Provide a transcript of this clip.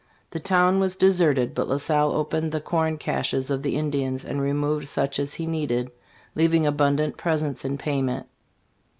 The town was deserted, but La Salle opened the corn caches of the Indians and removed such as he needed, leaving abundant presents in payment.